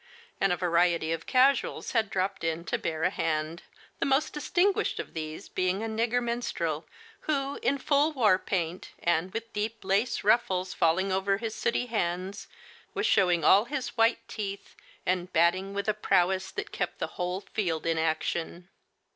and a variety of casuals had dropped in to bear a hand, the most distinguished of these being a nigger minstrel, who, in full war paint, and with deep lace ruffles falling over his sooty hands, was showing all his white teeth, and batting with a prowess that kept the whole field in action.